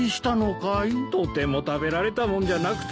とても食べられたもんじゃなくて。